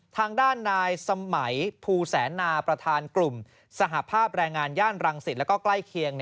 ทางด้านนายสมัยภูแสนนาประธานกลุ่มสหภาพแรงงานย่านรังสิตแล้วก็ใกล้เคียง